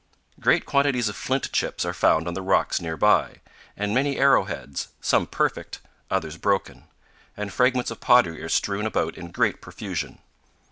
Great quantities of flint chips are found on the rocks near by, and many arrowheads, some perfect, others broken; and fragments of pottery are strewn about in great profusion.